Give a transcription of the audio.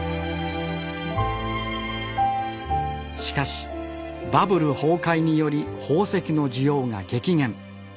しかしバブル崩壊により宝石の需要が激減。